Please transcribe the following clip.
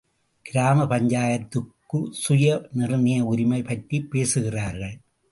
கிராம பஞ்சாயத்துக்கு சுய நிர்ணய உரிமை பற்றிப் பேசுகிறார்கள்.